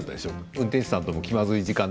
運転手さんとの気まずい時間が。